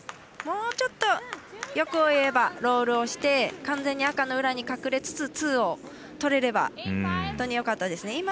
もうちょっと欲を言えばロールをして完全に赤の裏に隠れつつツーをとれれば本当によかったですね。